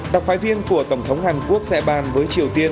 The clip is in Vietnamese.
đặc phái viên của tổng thống hàn quốc sẽ bàn với triều tiên